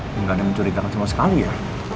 gak ada yang mencurigakan sama sekali ya